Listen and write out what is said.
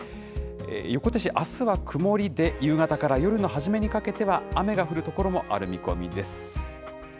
横手市、あすは曇りで夕方から夜の初めにかけては、雨が降る所もある見込みです。